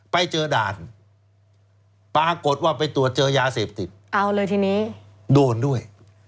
ไปเจอด่านปรากฏว่าไปตรวจเจอยาเสพติดเอาเลยทีนี้โดนด้วย